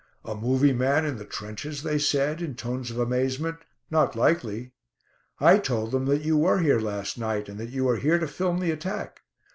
'A movie man in the trenches,' they said, in tones of amazement; 'not likely!' I told them that you were here last night, and that you are here to film the attack.